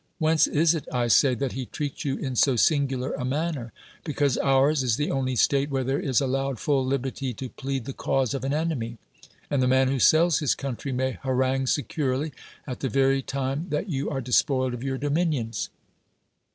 Whence is it, I say, that he treats you in so singular a manner? Because ours is the only state where there is allowed full libertj^ to plead the cause of an enemy; and the man who sells his country may harangue securely, at the very time that you are despoiled of your dominions.